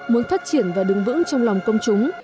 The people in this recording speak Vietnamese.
muốn phát triển và đứng vững trong lòng công chúng